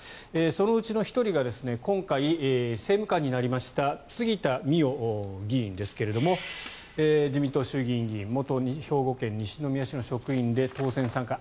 そのうちの１人が今回、政務官になりました杉田水脈議員ですけれども自民党衆議院議員元兵庫県西宮市の職員で当選３回。